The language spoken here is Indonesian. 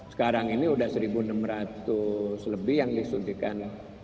sekarang ini sudah satu enam ratus lebih yang disuntikan